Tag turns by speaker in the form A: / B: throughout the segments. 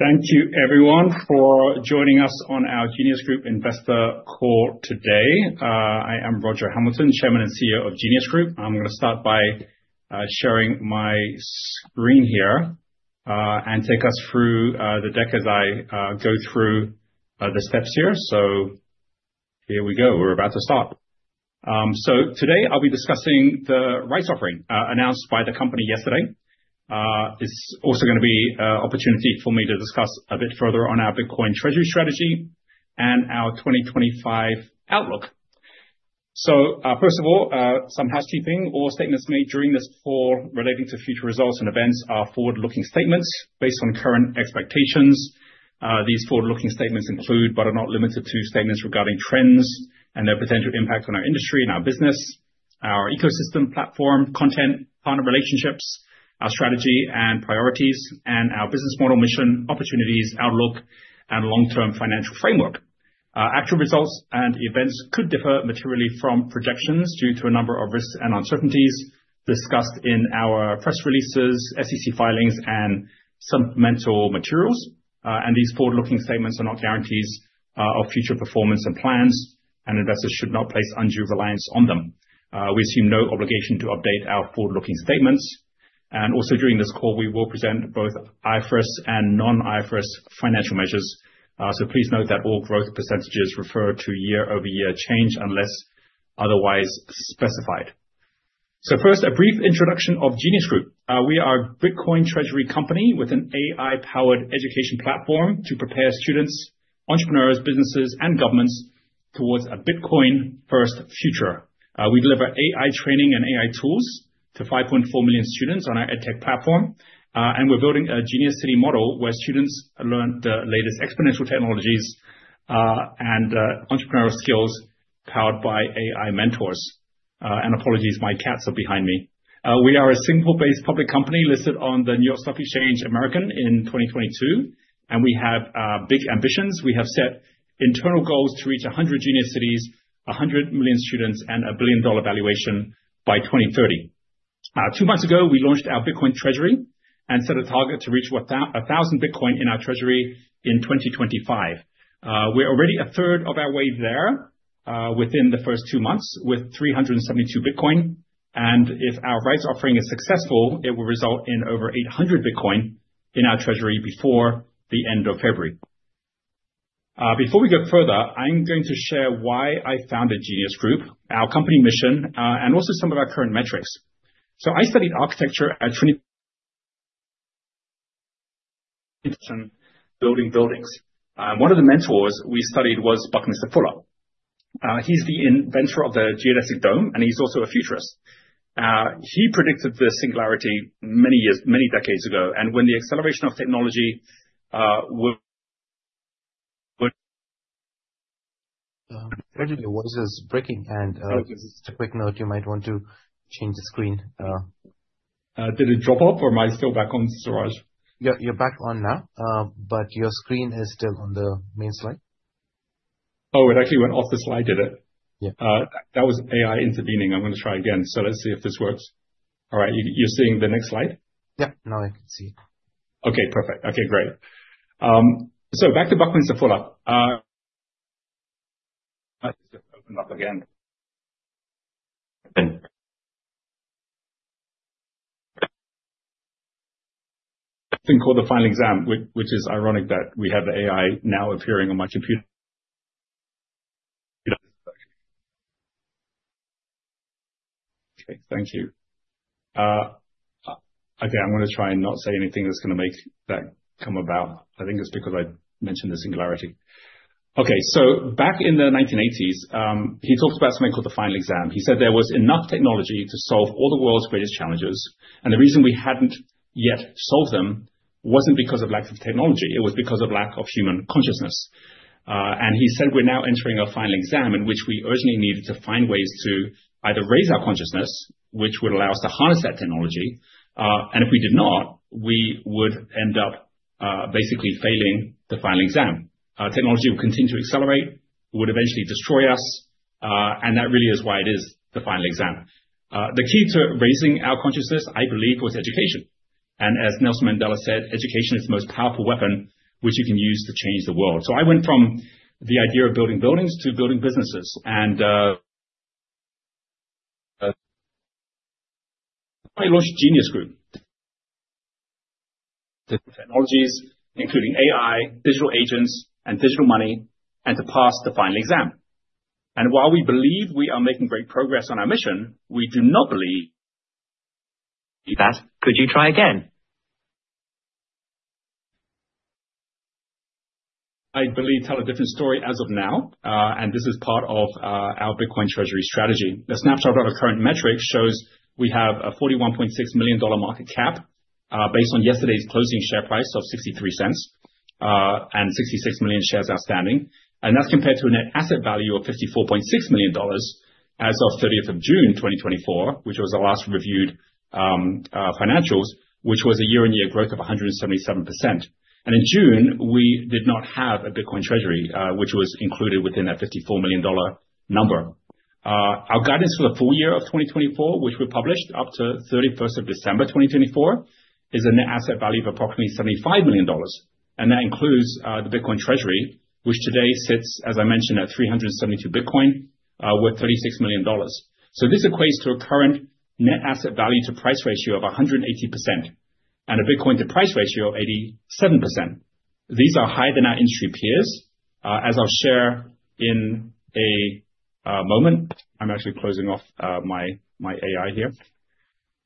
A: Thank you, everyone, for joining us on our Genius Group Investor Call today. I am Roger Hamilton, Chairman and CEO of Genius Group. I'm going to start by sharing my screen here and take us through the deck as I go through the steps here. So here we go. We're about to start. So today, I'll be discussing the rights offering announced by the company yesterday. It's also going to be an opportunity for me to discuss a bit further on Bitcoin Treasury Strategy and our 2025 outlook. So first of all, some housekeeping or statements made during this call relating to future results and events are forward-looking statements based on current expectations. These forward-looking statements include, but are not limited to, statements regarding trends and their potential impact on our industry and our business, our ecosystem platform, content, partner relationships, our strategy and priorities, and our business model, mission, opportunities, outlook, and long-term financial framework. Actual results and events could differ materially from projections due to a number of risks and uncertainties discussed in our press releases, SEC filings, and supplemental materials. These forward-looking statements are not guarantees of future performance and plans, and investors should not place undue reliance on them. We assume no obligation to update our forward-looking statements. Also during this call, we will present both IFRS and non-IFRS financial measures. Please note that all growth percentages refer to year-over-year change unless otherwise specified. First, a brief introduction of Genius Group. We are a Bitcoin Treasury company with an AI-powered education platform to prepare students, entrepreneurs, businesses, and governments towards a Bitcoin-first future. We deliver AI training and AI tools to 5.4 million students on our EdTech platform. And we're building a Genius City model where students learn the latest exponential technologies and entrepreneurial skills powered by AI mentors. And apologies, my cats are behind me. We are a Singapore-based public company listed on the NYSE American in 2022. And we have big ambitions. We have set internal goals to reach 100 Genius Cities, 100 million students, and a $1 billion valuation by 2030. Two months ago, we launched our Bitcoin Treasury and set a target to reach 1,000 BTC in our treasury in 2025. We're already a third of our way there within the first two months with 372 BTC. And if our rights offering is successful, it will result in over 800 BTC in our treasury before the end of February. Before we go further, I'm going to share why I founded Genius Group, our company mission, and also some of our current metrics. So I studied architecture at Trinity, building buildings. One of the mentors we studied was Buckminster Fuller. He's the inventor of the geodesic dome, and he's also a futurist. He predicted the singularity many years, many decades ago. And when the acceleration of technology was
B: breaking, and just a quick note, you might want to change the screen.
A: Did it drop off, or am I still back on storage?
B: You're back on now, but your screen is still on the main slide.
A: Oh, it actually went off the slide, did it?
B: Yeah.
A: That was AI intervening. I'm going to try again, so let's see if this works. All right. You're seeing the next slide?
B: Yeah, now I can see it.
A: Okay, perfect. Okay, great. So back to Buckminster Fuller. Open up again. I think called the "Final Exam", which is ironic that we have the AI now appearing on my computer. Okay, thank you. Okay, I'm going to try and not say anything that's going to make that come about. I think it's because I mentioned the singularity. Okay, so back in the 1980s, he talked about something called the "Final Exam". He said there was enough technology to solve all the world's greatest challenges, and the reason we hadn't yet solved them wasn't because of lack of technology. It was because of lack of human consciousness, and he said we're now entering a "Final Exam" in which we urgently needed to find ways to either raise our consciousness, which would allow us to harness that technology. And if we did not, we would end up basically failing the "Final Exam". Technology will continue to accelerate, would eventually destroy us. And that really is why it is the "Final Exam". The key to raising our consciousness, I believe, was education. And as Nelson Mandela said, education is the most powerful weapon, which you can use to change the world. So I went from the idea of building buildings to building businesses. And I launched Genius Group technologies, including AI, digital agents, and digital money, and to pass the "Final Exam". And while we believe we are making great progress on our mission, we do not believe.
B: Could you try again?
A: I believe it tells a different story as of now, and this is part of Bitcoin Treasury Strategy. the snapshot of our current metrics shows we have a $41.6 million market cap based on yesterday's closing share price of $0.63 and 66 million shares outstanding, and that's compared to a net asset value of $54.6 million as of 30th June 2024, which was our last reviewed financials, which was a year-on-year growth of 177%. In June, we did not have a Bitcoin Treasury, which was not included within that $54 million number. Our guidance for the full year of 2024, which we published up to 31st December 2024, is a net asset value of approximately $75 million, and that includes the Bitcoin Treasury, which today sits, as I mentioned, at 372 BTC worth $36 million. So this equates to a current net asset value to price ratio of 180% and a Bitcoin to price ratio of 87%. These are higher than our industry peers, as I'll share in a moment. I'm actually closing off my AI here.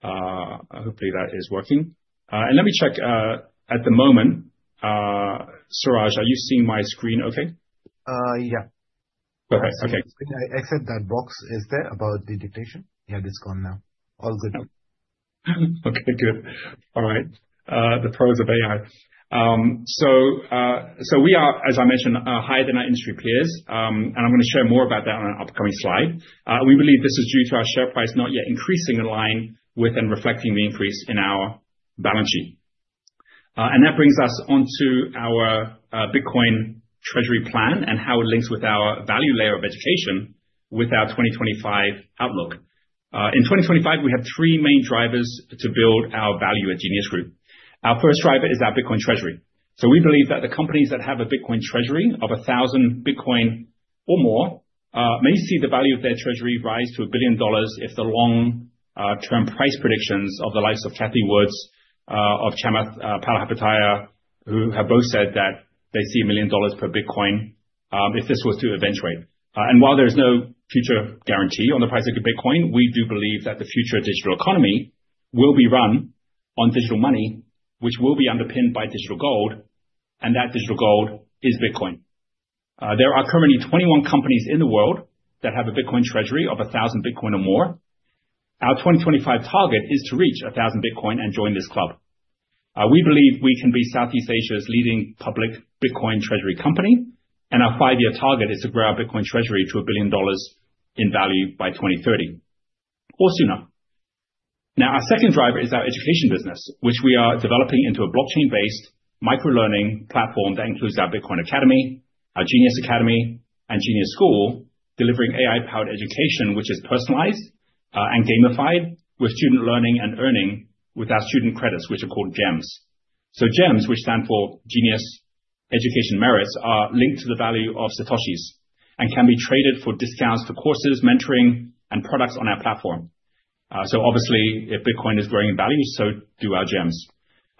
A: Hopefully, that is working, and let me check at the moment. Suraj, are you seeing my screen okay?
B: Yeah.
A: Perfect. Okay.
B: I said that box is there about the dictation. Yeah, it's gone now. All good.
A: Okay, good. All right. The pros of AI. So we are, as I mentioned, higher than our industry peers. And I'm going to share more about that on an upcoming slide. We believe this is due to our share price not yet increasing in line with and reflecting the increase in our balance sheet. And that brings us onto our Bitcoin Treasury plan and how it links with our value layer of education with our 2025 outlook. In 2025, we have three main drivers to build our value at Genius Group. Our first driver is our Bitcoin Treasury. We believe that the companies that have a Bitcoin Treasury of 1,000 BTC or more may see the value of their treasury rise to $1 billion if the long-term price predictions of the likes of Cathie Wood, of Chamath Palihapitiya, who have both said that they see $1 million per Bitcoin if this was to eventuate. And while there is no future guarantee on the price of Bitcoin, we do believe that the future digital economy will be run on digital money, which will be underpinned by digital gold. And that digital gold is Bitcoin. There are currently 21 companies in the world that have a Bitcoin Treasury of 1,000 BTC or more. Our 2025 target is to reach 1,000 BTC and join this club. We believe we can be Southeast Asia's leading public Bitcoin Treasury company. And our five-year target is to grow our Bitcoin Treasury to $1 billion in value by 2030 or sooner. Now, our second driver is our education business, which we are developing into a blockchain-based micro-learning platform that includes our Bitcoin Academy, our Genius Academy, and Genius School, delivering AI-powered education, which is personalized and gamified with student learning and earning with our student credits, which are called GEMs. So GEMs, which stand for Genius Education Merits, are linked to the value of satoshis and can be traded for discounts for courses, mentoring, and products on our platform. So obviously, if Bitcoin is growing in value, so do our GEMs.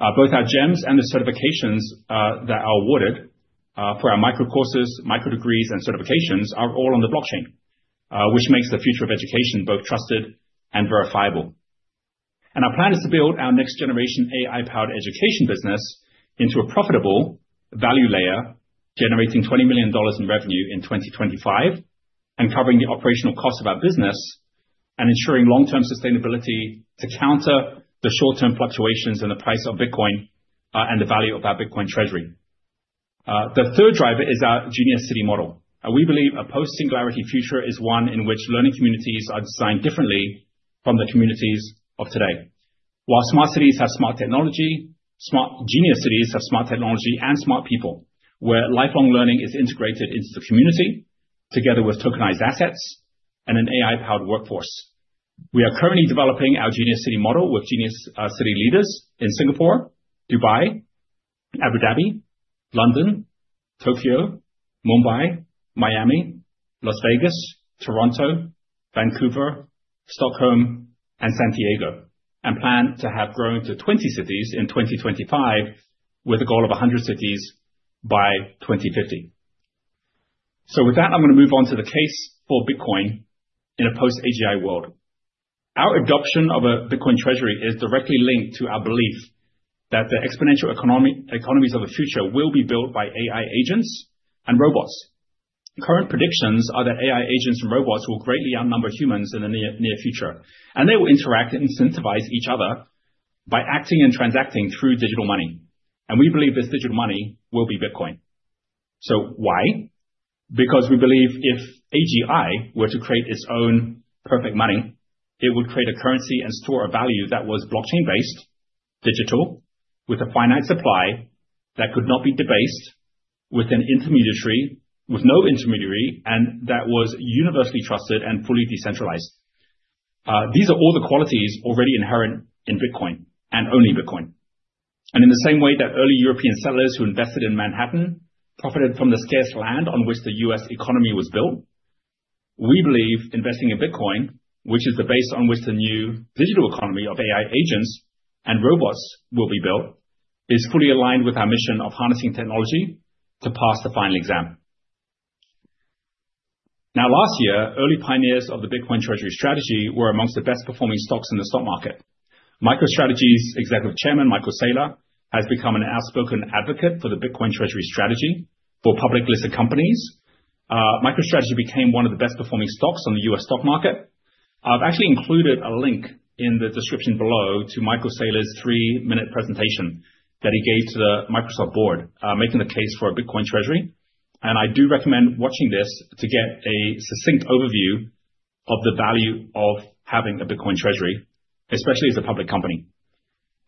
A: Both our GEMs and the certifications that are awarded for our micro courses, micro degrees, and certifications are all on the blockchain, which makes the future of education both trusted and verifiable. Our plan is to build our next-generation AI-powered education business into a profitable value layer, generating $20 million in revenue in 2025 and covering the operational cost of our business and ensuring long-term sustainability to counter the short-term fluctuations in the price of Bitcoin and the value of our Bitcoin Treasury. The third driver is our Genius City model. We believe a post-singularity future is one in which learning communities are designed differently from the communities of today. While smart cities have smart technology, smart Genius Cities have smart technology and smart people, where lifelong learning is integrated into the community together with tokenized assets and an AI-powered workforce. We are currently developing our Genius City model with Genius City leaders in Singapore, Dubai, Abu Dhabi, London, Tokyo, Mumbai, Miami, Las Vegas, Toronto, Vancouver, Stockholm, and San Diego, and plan to have grown to 20 cities in 2025 with a goal of 100 cities by 2050. So with that, I'm going to move on to the case for Bitcoin in a post-AGI world. Our adoption of a Bitcoin Treasury is directly linked to our belief that the exponential economies of the future will be built by AI agents and robots. Current predictions are that AI agents and robots will greatly outnumber humans in the near future. And they will interact and incentivize each other by acting and transacting through digital money. And we believe this digital money will be Bitcoin. So why? Because we believe if AGI were to create its own perfect money, it would create a currency and store of value that was blockchain-based, digital, with a finite supply that could not be debased with no intermediary, and that was universally trusted and fully decentralized. These are all the qualities already inherent in Bitcoin and only Bitcoin, and in the same way that early European settlers who invested in Manhattan profited from the scarce land on which the U.S. economy was built, we believe investing in Bitcoin, which is the base on which the new digital economy of AI agents and robots will be built, is fully aligned with our mission of harnessing technology to pass the "Final Exam". Now, last year, early pioneers of Bitcoin Treasury Strategy were amongst the best-performing stocks in the stock market. MicroStrategy's Executive Chairman, Michael Saylor, has become an outspoken advocate for Bitcoin Treasury Strategy for public-listed companies. MicroStrategy became one of the best-performing stocks on the U.S. stock market. I've actually included a link in the description below to Michael Saylor's three-minute presentation that he gave to the Microsoft Board, making the case for a Bitcoin Treasury. And I do recommend watching this to get a succinct overview of the value of having a Bitcoin Treasury, especially as a public company,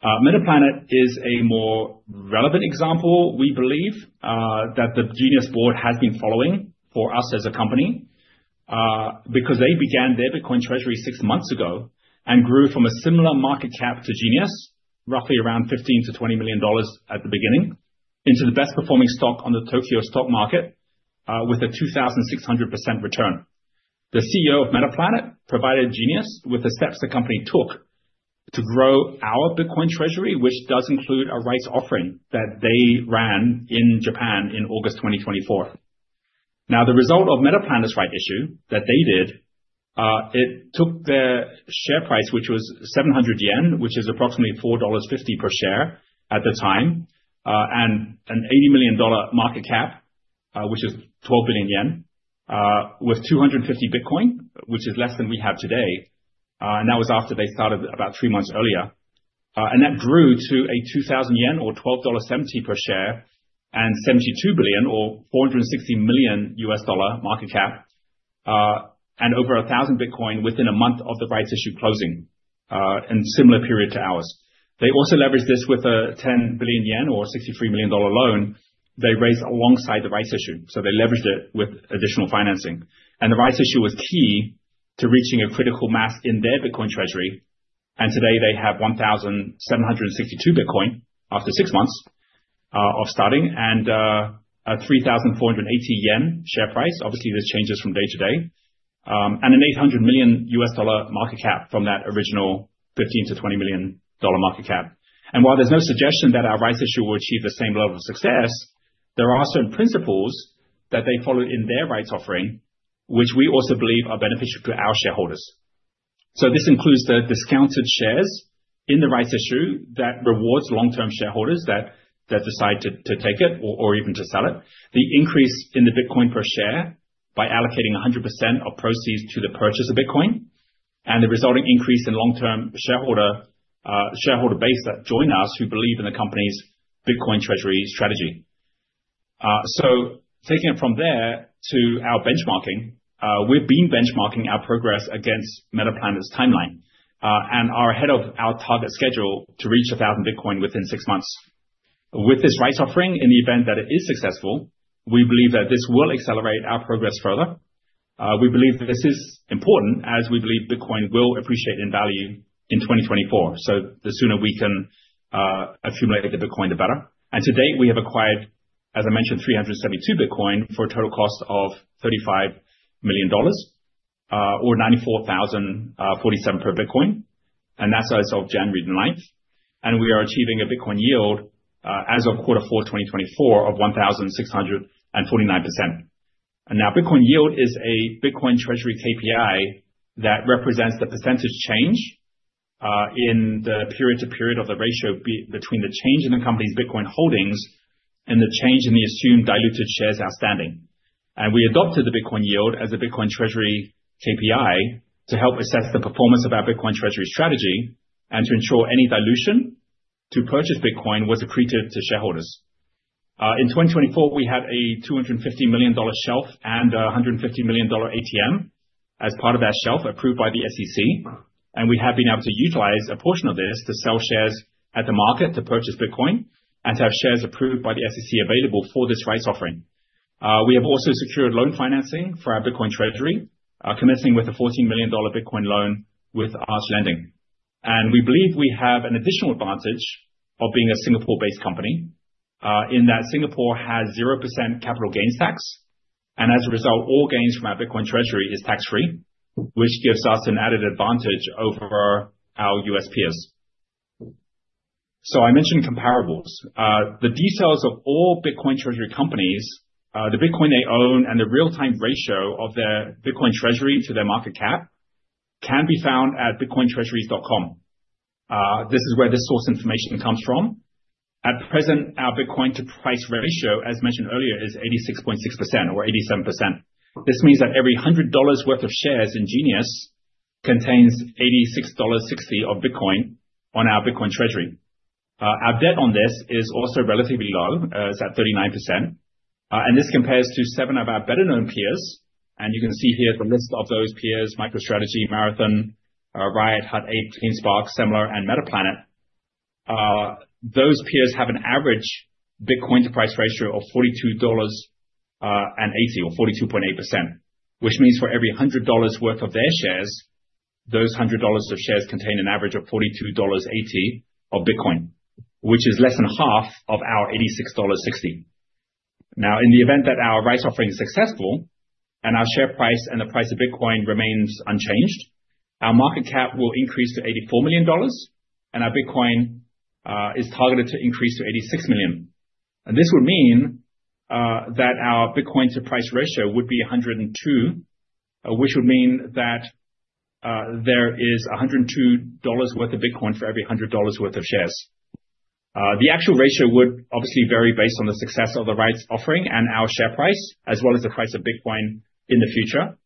A: and Metaplanet is a more relevant example, we believe, that the Genius board has been following for us as a company because they began their Bitcoin Treasury six months ago and grew from a similar market cap to Genius, roughly around $15 million-$20 million at the beginning, into the best-performing stock on the Tokyo stock market with a 2,600% return. The CEO of Metaplanet provided Genius with the steps the company took to grow our Bitcoin Treasury, which does include a rights offering that they ran in Japan in August 2024. Now, the result of Metaplanet's rights issue that they did, it took their share price, which was 700 yen, which is approximately $4.50 per share at the time, and an $80 million market cap, which is 12 billion yen, with 250 BTC, which is less than we have today. That was after they started about three months earlier. That grew to a 2,000 yen or $12.70 per share and 72 billion or $460 million market cap, and over 1,000 BTC within a month of the rights issue closing in a similar period to ours. They also leveraged this with a 10 billion yen or $63 million loan they raised alongside the rights issue. So they leveraged it with additional financing. And the rights issue was key to reaching a critical mass in their Bitcoin Treasury. And today, they have 1,762 BTC after six months of starting and a 3,480 yen share price. Obviously, this changes from day to day. And an $800 million market cap from that original $15 million-$20 million market cap. And while there's no suggestion that our rights issue will achieve the same level of success, there are certain principles that they follow in their rights offering, which we also believe are beneficial to our shareholders. So this includes the discounted shares in the rights issue that rewards long-term shareholders that decide to take it or even to sell it, the increase in the Bitcoin per share by allocating 100% of proceeds to the purchase of Bitcoin, and the resulting increase in long-term shareholder base that join us who believe in the Bitcoin Treasury Strategy. so taking it from there to our benchmarking, we've been benchmarking our progress against Metaplanet's timeline and are ahead of our target schedule to reach 1,000 BTC within six months. With this rights offering, in the event that it is successful, we believe that this will accelerate our progress further. We believe this is important as we believe Bitcoin will appreciate in value in 2024. So the sooner we can accumulate the Bitcoin, the better. And to date, we have acquired, as I mentioned, 372 BTC for a total cost of $35 million or $94,047 per Bitcoin. And that's as of January 9th. And we are achieving a Bitcoin Yield as of quarter four, 2024, of 1,649%. And now Bitcoin Yield is a Bitcoin Treasury KPI that represents the percentage change in the period to period of the ratio between the change in the company's Bitcoin holdings and the change in the assumed diluted shares outstanding. And we adopted the Bitcoin Yield as a Bitcoin Treasury KPI to help assess the performance of Bitcoin Treasury Strategy and to ensure any dilution to purchase Bitcoin was accretive to shareholders. In 2024, we had a $250 million shelf and a $150 million ATM as part of that shelf approved by the SEC. We have been able to utilize a portion of this to sell shares at the market to purchase Bitcoin and to have shares approved by the SEC available for this rights offering. We have also secured loan financing for our Bitcoin Treasury, commencing with a $14 million Bitcoin loan with Arch Lending. We believe we have an additional advantage of being a Singapore-based company in that Singapore has 0% capital gains tax. As a result, all gains from our Bitcoin Treasury is tax-free, which gives us an added advantage over our U.S. peers. I mentioned comparables. The details of all Bitcoin Treasury companies, the Bitcoin they own, and the real-time ratio of their Bitcoin Treasury to their market cap can be found at bitcointreasuries.com. This is where this source information comes from. At present, our Bitcoin to price ratio, as mentioned earlier, is 86.6% or 87%. This means that every $100 worth of shares in Genius contains $86.60 of Bitcoin on our Bitcoin Treasury. Our bet on this is also relatively low. It's at 39%. This compares to seven of our better-known peers. You can see here the list of those peers: MicroStrategy, Marathon, Riot, Hut 8, CleanSpark, Semler, and Metaplanet. Those peers have an average Bitcoin to price ratio of $42.80 or 42.8%, which means for every $100 worth of their shares, those $100 of shares contain an average of $42.80 of Bitcoin, which is less than half of our $86.60. Now, in the event that our rights offering is successful and our share price and the price of Bitcoin remains unchanged, our market cap will increase to $84 million, and our Bitcoin is targeted to increase to $86 million. This would mean that our Bitcoin to price ratio would be 102, which would mean that there is $102 worth of Bitcoin for every $100 worth of shares. The actual ratio would obviously vary based on the success of the rights offering and our share price, as well as the price of Bitcoin in the future.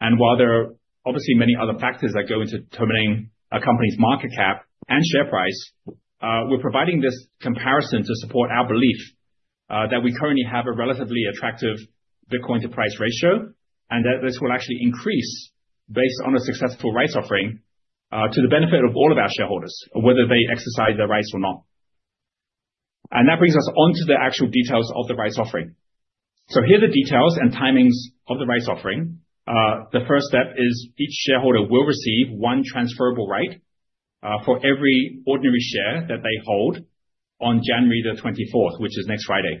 A: While there are obviously many other factors that go into determining a company's market cap and share price, we're providing this comparison to support our belief that we currently have a relatively attractive Bitcoin to price ratio and that this will actually increase based on a successful rights offering to the benefit of all of our shareholders, whether they exercise their rights or not. That brings us onto the actual details of the rights offering. Here are the details and timings of the rights offering. The first step is each shareholder will receive one transferable right for every ordinary share that they hold on January the 24th, which is next Friday.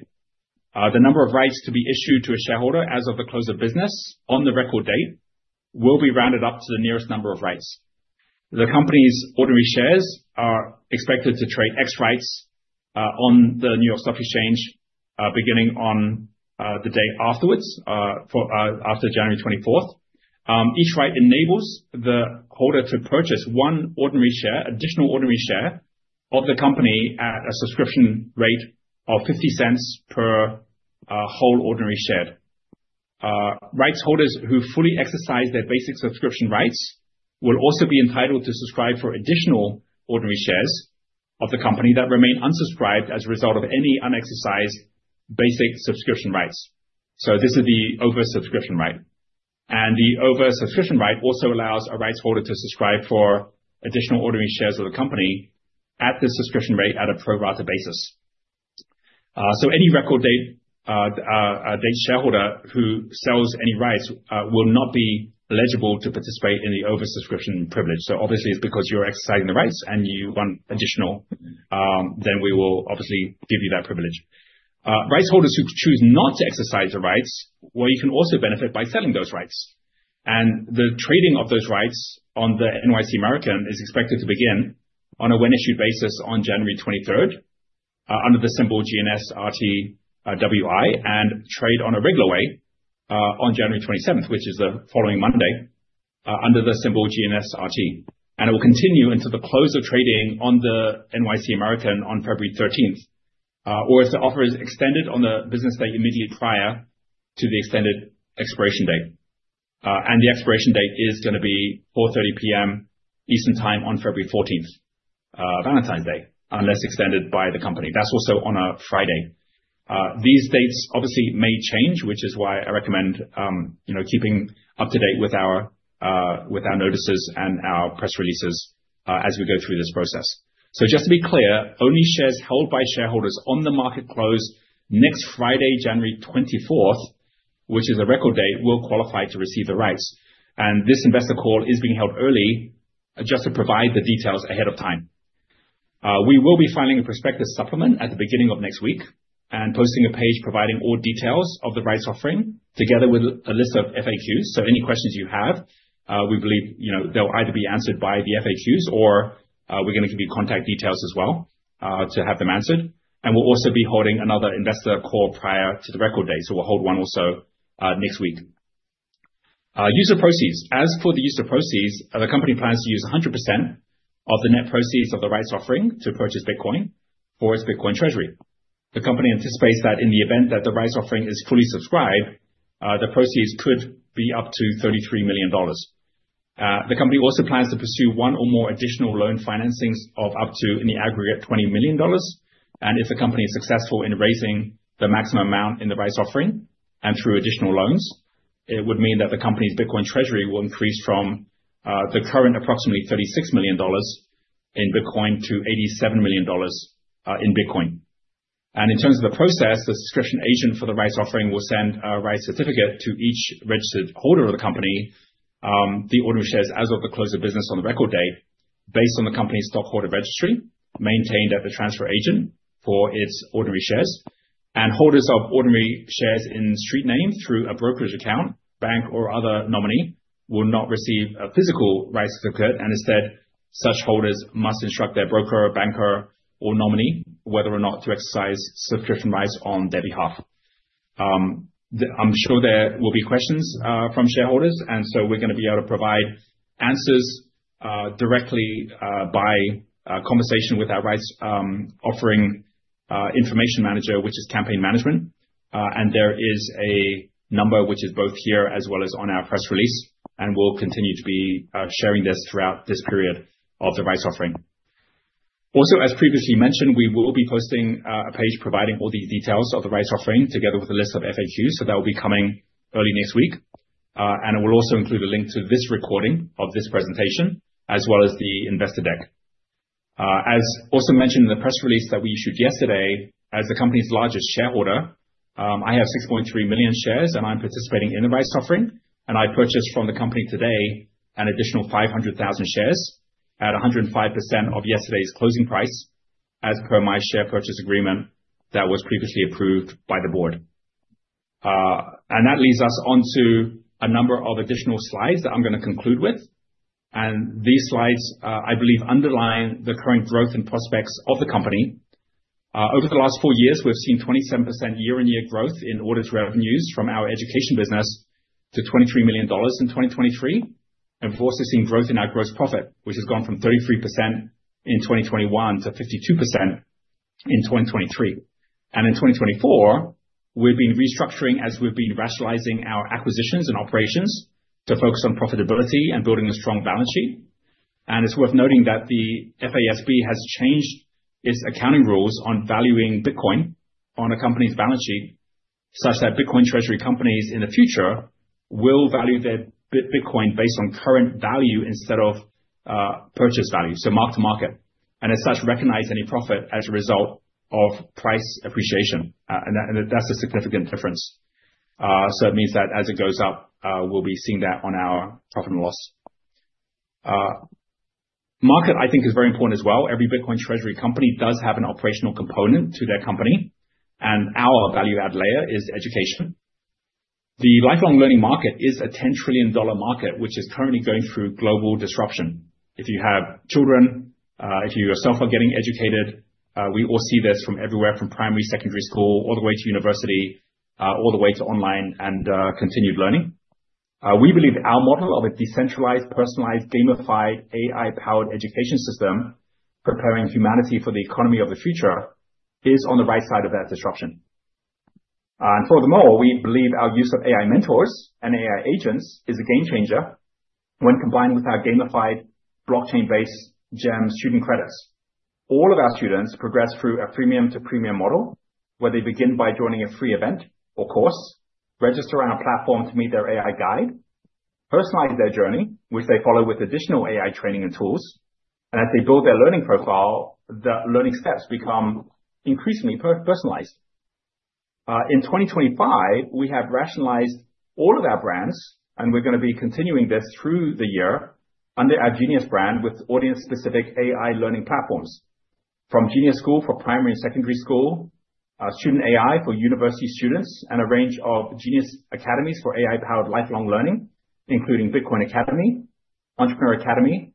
A: The number of rights to be issued to a shareholder as of the close of business on the record date will be rounded up to the nearest number of rights. The company's ordinary shares are expected to trade ex rights on the NYSE American beginning on the day afterwards, after January 24th. Each right enables the holder to purchase one ordinary share, additional ordinary share of the company at a subscription rate of $0.50 per whole ordinary share. Rights holders who fully exercise their basic subscription rights will also be entitled to subscribe for additional ordinary shares of the company that remain unsubscribed as a result of any unexercised basic subscription rights. So this is the oversubscription right. And the oversubscription right also allows a rights holder to subscribe for additional ordinary shares of the company at the subscription rate at a pro rata basis. So any record date shareholder who sells any rights will not be eligible to participate in the oversubscription privilege. So obviously, it's because you're exercising the rights and you want additional, then we will obviously give you that privilege. Rights holders who choose not to exercise the rights, well, you can also benefit by selling those rights. And the trading of those rights on the NYSE American is expected to begin on a when-issued basis on January 23rd under the symbol GNSRTWI and trade on a regular way on January 27th, which is the following Monday under the symbol GNSRT. It will continue until the close of trading on the NYSE American on February 13th, or if the offer is extended on the business day immediately prior to the extended expiration date. The expiration date is going to be 4:30 P.M. Eastern Time on February 14th, Valentine's Day, unless extended by the company. That's also on a Friday. These dates obviously may change, which is why I recommend keeping up to date with our notices and our press releases as we go through this process. Just to be clear, only shares held by shareholders on the market close next Friday, January 24th, which is a record date, will qualify to receive the rights. This investor call is being held early just to provide the details ahead of time. We will be filing a prospectus supplement at the beginning of next week and posting a page providing all details of the rights offering together with a list of FAQs. Any questions you have, we believe they'll either be answered by the FAQs or we're going to give you contact details as well to have them answered. We'll also be holding another investor call prior to the record date. We'll hold one also next week. Use of proceeds. As for the use of proceeds, the company plans to use 100% of the net proceeds of the rights offering to purchase Bitcoin for its Bitcoin Treasury. The company anticipates that in the event that the rights offering is fully subscribed, the proceeds could be up to $33 million. The company also plans to pursue one or more additional loan financings of up to, in the aggregate, $20 million. If the company is successful in raising the maximum amount in the rights offering and through additional loans, it would mean that the company's Bitcoin Treasury will increase from the current approximately $36 million in Bitcoin to $87 million in Bitcoin. In terms of the process, the subscription agent for the rights offering will send a rights certificate to each registered holder of the company's ordinary shares as of the close of business on the record date, based on the company's stockholder registry maintained at the transfer agent for its ordinary shares. Holders of ordinary shares in street name through a brokerage account, bank, or other nominee will not receive a physical rights certificate. Instead, such holders must instruct their broker, banker, or nominee whether or not to exercise subscription rights on their behalf. I'm sure there will be questions from shareholders. And so we're going to be able to provide answers directly by conversation with our rights offering information manager, which is Campaign Management, and there is a number which is both here as well as on our press release, and we'll continue to be sharing this throughout this period of the rights offering. Also, as previously mentioned, we will be posting a page providing all the details of the rights offering together with a list of FAQs, so that will be coming early next week, and it will also include a link to this recording of this presentation, as well as the investor deck. As also mentioned in the press release that we issued yesterday, as the company's largest shareholder, I have 6.3 million shares, and I'm participating in the rights offering. I purchased from the company today an additional 500,000 shares at 105% of yesterday's closing price as per my share purchase agreement that was previously approved by the board. That leads us onto a number of additional slides that I'm going to conclude with. These slides, I believe, underline the current growth and prospects of the company. Over the last four years, we've seen 27% year-on-year growth in orders revenues from our education business to $23 million in 2023. We've also seen growth in our gross profit, which has gone from 33% in 2021 to 52% in 2023. In 2024, we've been restructuring as we've been rationalizing our acquisitions and operations to focus on profitability and building a strong balance sheet. And it's worth noting that the FASB has changed its accounting rules on valuing Bitcoin on a company's balance sheet such that Bitcoin Treasury companies in the future will value their Bitcoin based on current value instead of purchase value, so mark to market, and as such recognize any profit as a result of price appreciation. And that's a significant difference. So it means that as it goes up, we'll be seeing that on our profit and loss. Market, I think, is very important as well. Every Bitcoin Treasury company does have an operational component to their company. And our value-add layer is education. The lifelong learning market is a $10 trillion market, which is currently going through global disruption. If you have children, if you yourself are getting educated, we all see this from everywhere, from primary, secondary school, all the way to university, all the way to online and continued learning. We believe our model of a decentralized, personalized, gamified, AI-powered education system preparing humanity for the economy of the future is on the right side of that disruption. And furthermore, we believe our use of AI mentors and AI agents is a game changer when combined with our gamified blockchain-based GEM student credits. All of our students progress through a freemium-to-premium model where they begin by joining a free event or course, register on a platform to meet their AI guide, personalize their journey, which they follow with additional AI training and tools, and as they build their learning profile, the learning steps become increasingly personalized. In 2025, we have rationalized all of our brands, and we're going to be continuing this through the year under our Genius brand with audience-specific AI learning platforms from Genius School for primary and secondary school, Student AI for university students, and a range of Genius Academies for AI-powered lifelong learning, including Bitcoin Academy, Entrepreneur Academy,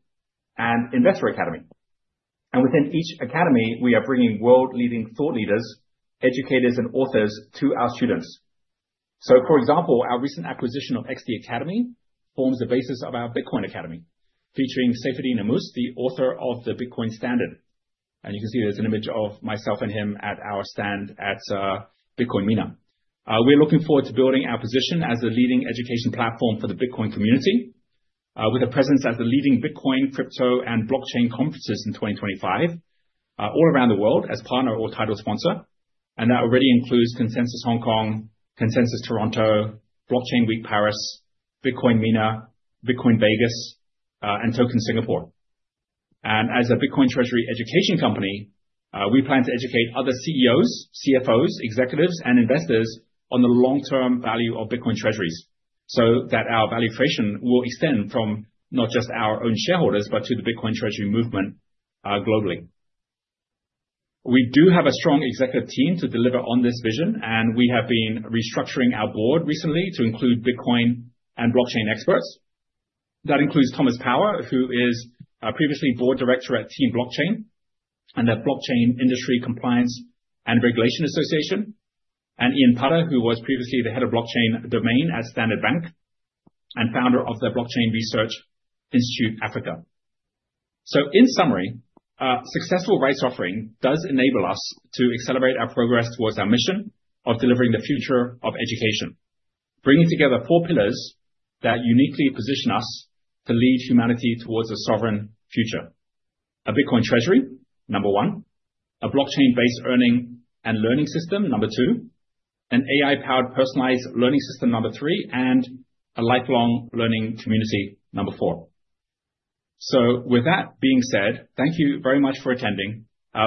A: and Investor Academy. And within each academy, we are bringing world-leading thought leaders, educators, and authors to our students. So, for example, our recent acquisition of XD Academy forms the basis of our Bitcoin Academy, featuring Saifedean Ammous, the author of The Bitcoin Standard. And you can see there's an image of myself and him at our stand at Bitcoin MENA. We're looking forward to building our position as a leading education platform for the Bitcoin community, with a presence at the leading Bitcoin, crypto, and blockchain conferences in 2025, all around the world as partner or title sponsor, and that already includes Consensus Hong Kong, Consensus Toronto, Blockchain Week Paris, Bitcoin MENA, Bitcoin Vegas, and Token Singapore, and as a Bitcoin Treasury education company, we plan to educate other CEOs, CFOs, executives, and investors on the long-term value of Bitcoin treasuries so that our valuation will extend from not just our own shareholders, but to the Bitcoin Treasury movement globally. We do have a strong executive team to deliver on this vision, and we have been restructuring our board recently to include Bitcoin and blockchain experts. That includes Thomas Power, who is previously board director at Team Blockchain and the Blockchain Industry Compliance and Regulation Association, and Ian Putter, who was previously the head of blockchain domain at Standard Bank and founder of the Blockchain Research Institute Africa. In summary, successful rights offering does enable us to accelerate our progress towards our mission of delivering the future of education, bringing together four pillars that uniquely position us to lead humanity towards a sovereign future: a Bitcoin Treasury, number one, a blockchain-based earning and learning system, number two, an AI-powered personalized learning system, number three, and a lifelong learning community, number four. With that being said, thank you very much for attending.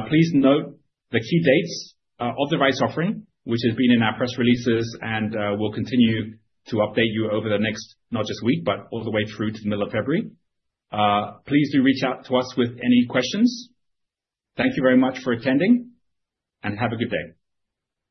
A: Please note the key dates of the rights offering, which has been in our press releases, and we'll continue to update you over the next, not just week, but all the way through to the middle of February. Please do reach out to us with any questions. Thank you very much for attending, and have a good day.